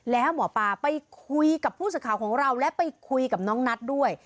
แล้วหมอปลาไปคุยกับผู้สื่อข่าวของเราและไปคุยกับน้องนัทด้วย